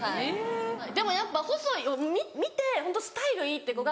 でもやっぱ見てホントスタイルいいって子が。